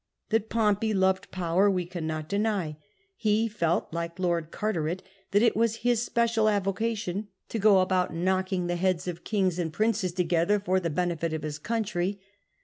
That Pompey loved power, we cannot deny ; he felt (like Lord Carteret) that it was his special avocation "to go about knocking POMPEY 256 die heads of kings and princes together for the heneflu of his country."